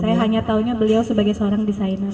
saya hanya tahunya beliau sebagai seorang desainer